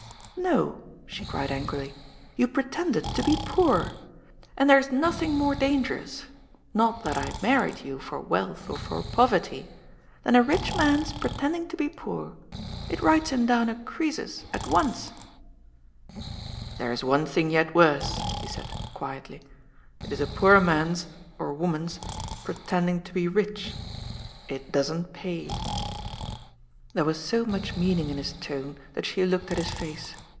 " No," she cried angrily, " you pretended to be poor. And there is nothing more dangerous — not that I married you for wealth or for poverty — than a rich man's pretend ing to be poor. It writes him down a Croesus at once." THE BRIDE ASKS FOE FLOWERS. 187 " There is one thing yet worse," he said quietly, " it is a poor man's — or woman's — pretending to be rich. It doesn't pay." There was so much meaning in his tone that she looked at his face.